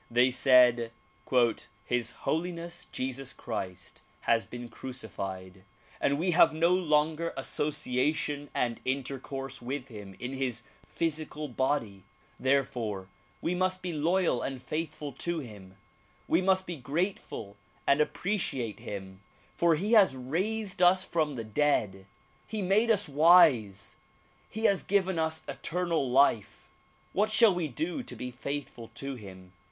They said "His Holiness Jesus Christ has been crucified and we have no longer association and intercourse witli him in his physical body ; therefore we must be loyal and faithful to him, we must be grateful and appreciate him, for he has raised us from the dead, he made us wise, he has given us eternal life, "What shall we do to be faithful to him?"